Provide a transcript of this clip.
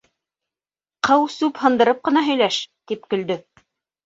Ҡыу сүп һындырып ҡына һөйләш, - тип көлдө.